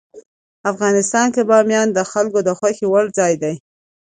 افغانستان کې بامیان د خلکو د خوښې وړ ځای دی.